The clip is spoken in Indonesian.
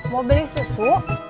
mau beli susu